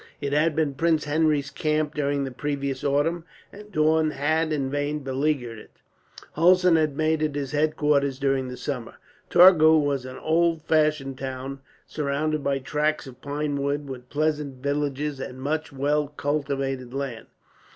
It had been Prince Henry's camp during the previous autumn, and Daun had in vain beleaguered it. Hulsen had made it his headquarters during the summer. Torgau was an old fashioned town, surrounded by tracts of pine wood, with pleasant villages and much well cultivated land.